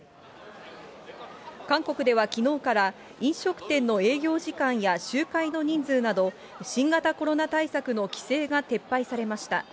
韓国ではきのうから、飲食店の営業時間や集会の人数など、新型コロナ対策の規制が撤廃されました。